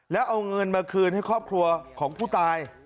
แล้วเอาเงินมาคืนให้ครอบครัวของผู้ตาย